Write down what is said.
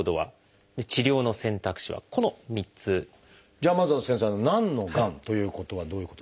じゃあまずは先生「何のがん」ということはどういうことでしょう？